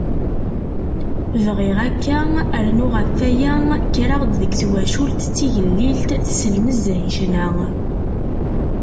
Bdiɣ akka, rnu ɣef waya, kkreɣ-d deg twacult d tigellilt tsel nezzeh i ccna.